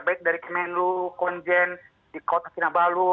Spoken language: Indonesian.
baik dari kemenlu konjen di kota cinabalu